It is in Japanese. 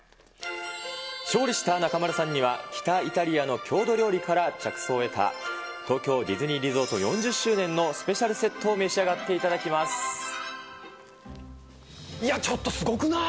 勝利した中丸さんには、北イタリアの郷土料理から着想を得た、東京ディズニーリゾート４０周年のスペシャルセットを召し上がっいや、ちょっとすごくない？